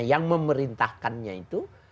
yang memerintahkannya itu